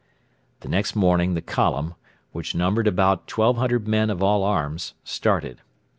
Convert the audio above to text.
The next morning the column, which numbered about 1,200 men of all arms, started.